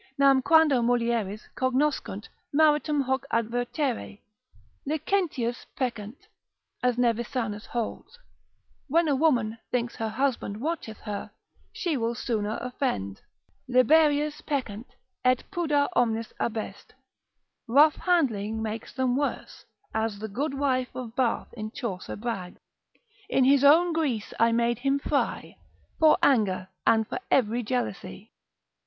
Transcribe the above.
Nam quando mulieres cognoscunt maritum hoc advertere, licentius peccant, as Nevisanus holds, when a woman thinks her husband watcheth her, she will sooner offend; Liberius peccant, et pudor omnis abest, rough handling makes them worse: as the goodwife of Bath in Chaucer brags, In his own grease I made him frie For anger and for every jealousie.